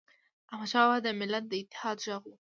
احمدشاه بابا د ملت د اتحاد ږغ و.